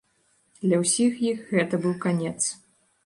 Для ўсіх іх гэта быў канец.